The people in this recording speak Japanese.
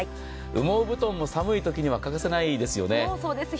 羽毛布団も寒いときには欠かせませんよね。